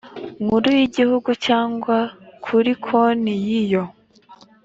nkuru y igihugu cyangwa kuri konti y iyo